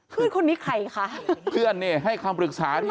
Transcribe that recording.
เพื่อนคนนี้ใครคะเพื่อนนี่ให้คำปรึกษาที่